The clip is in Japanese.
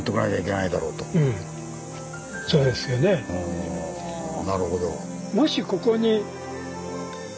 おなるほど。